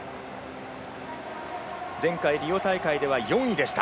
前回、リオ大会では４位でした。